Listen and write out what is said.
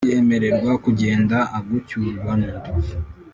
yemererwa kugenda agucyurwa n’undi